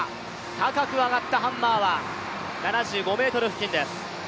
高く上ったハンマーは７５ｍ付近です